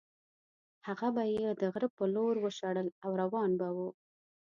هغه به یې د غره په لور وشړل او روان به وو.